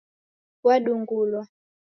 Wadungulwa